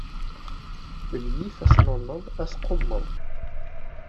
Menyif asnunneḍ asqummeḍ.